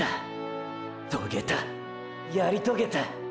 遂げたやり遂げた。